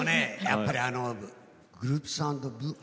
やっぱりあのグループサウンドブー。